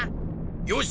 よし！